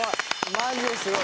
マジですごい。